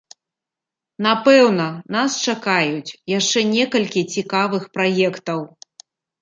Напэўна, нас чакаюць яшчэ некалькі цікавых праектаў!